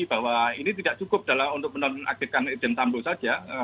bahwa ini tidak cukup untuk menonaktifkan irjen sambo saja